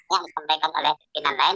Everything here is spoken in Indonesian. yang disampaikan oleh pimpinan lain